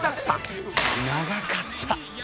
長かった。